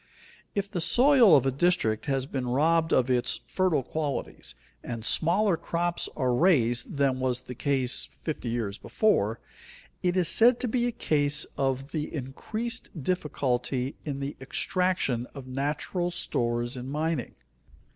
_ If the soil of a district has been robbed of its fertile qualities and smaller crops are raised than was the case fifty years before, it is said to be a case of of the increased difficulty in the extraction of natural stores in mining.